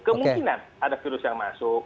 kemungkinan ada virus yang masuk